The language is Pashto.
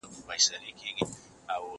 پلار د زوى مخته حلال كړي